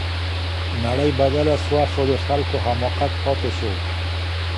نړۍ بدله سوه خو د خلګو حماقت پاتې سو.